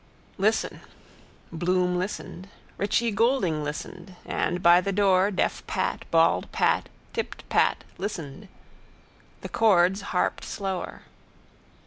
Listen. Bloom listened. Richie Goulding listened. And by the door deaf Pat, bald Pat, tipped Pat, listened. The chords harped slower.